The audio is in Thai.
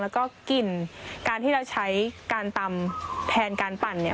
แล้วก็กลิ่นการที่เราใช้การตำแทนการปั่นเนี่ย